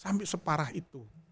sampai separah itu